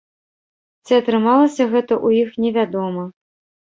Ці атрымалася гэта ў іх, невядома.